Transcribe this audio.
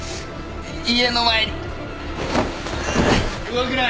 動くな！